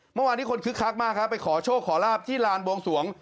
เมื่อวานนี้คนคึกคักมากครับไปขอโชคขอลาบที่ลานบวงสวง